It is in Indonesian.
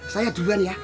saya duluan ya